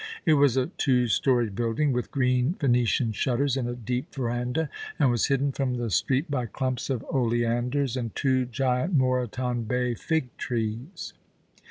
It was a two storied building, with green Venetian shutters and a deep verandah, and was hidden from%he street by clumps of oleanders and two giant Moreton Bay fig trees.